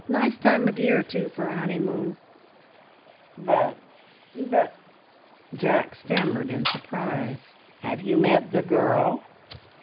Nice time of year, too, for a honeymoon!" "But ... but..." Jack stammered in surprise. "Have you met the girl?"